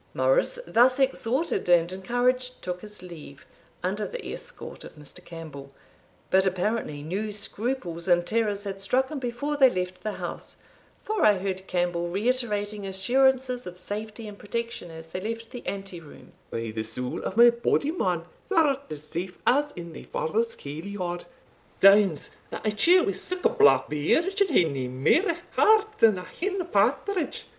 Morris, thus exhorted and encouraged, took his leave, under the escort of Mr. Campbell; but, apparently, new scruples and terrors had struck him before they left the house, for I heard Campbell reiterating assurances of safety and protection as they left the ante room "By the soul of my body, man, thou'rt as safe as in thy father's kailyard Zounds! that a chield wi' sic a black beard should hae nae mair heart than a hen partridge!